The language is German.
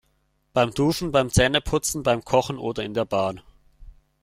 Beim Duschen, beim Zähneputzen, beim Kochen oder in der Bahn.